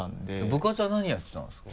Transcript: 部活は何やってたんですか？